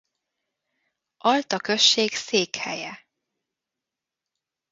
Alta község székhelye.